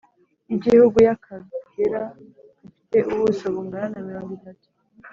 y Igihugu y Akagera gafite ubuso bungana na mirongo itatu